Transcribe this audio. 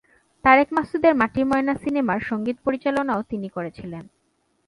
তারেক মাসুদের "মাটির ময়না" সিনেমার সংগীত পরিচালনাও তিনি করেছিলেন।